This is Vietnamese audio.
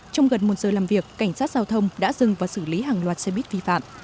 trong gần một giờ làm việc cảnh sát giao thông đã dừng và xử lý hàng loạt xe buýt vi phạm